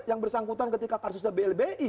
yang bersangkutan ketika kasusnya blbi